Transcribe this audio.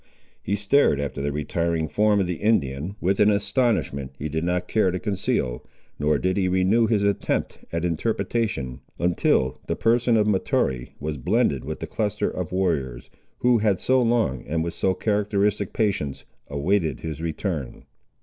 He stared after the retiring form of the Indian, with an astonishment he did not care to conceal, nor did he renew his attempt at interpretation until the person of Mahtoree was blended with the cluster of warriors, who had so long, and with so characteristic patience, awaited his return.